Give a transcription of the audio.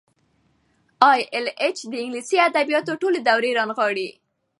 ای ایل ایچ د انګلیسي ادبیاتو ټولې دورې رانغاړي.